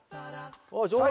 あっ上手。